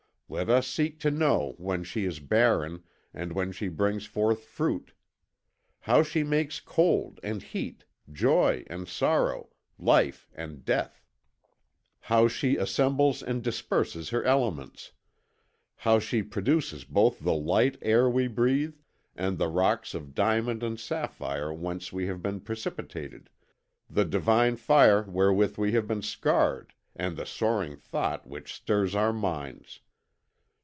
Let us seek to know when she is barren and when she brings forth fruit; how she makes cold and heat, joy and sorrow, life and death; how she assembles and disperses her elements, how she produces both the light air we breathe and the rocks of diamond and sapphire whence we have been precipitated, the divine fire wherewith we have been scarred and the soaring thought which stirs our minds.